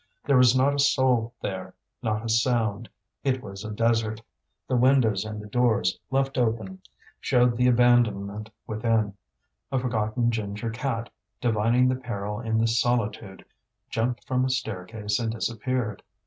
There was not a soul there, not a sound; it was a desert. The windows and the doors, left open, showed the abandonment within; a forgotten ginger cat, divining the peril in this solitude, jumped from a staircase and disappeared.